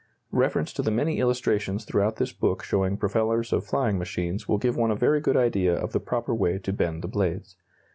Reference to the many illustrations throughout this book showing propellers of flying machines will give one a very good idea of the proper way to bend the blades.